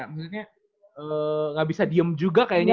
maksudnya nggak bisa diem juga kayaknya